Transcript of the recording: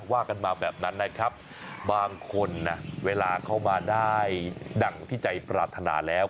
ว่ากันมาแบบนั้นนะครับบางคนนะเวลาเข้ามาได้ดั่งที่ใจปรารถนาแล้ว